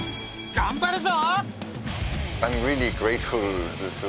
頑張るぞ！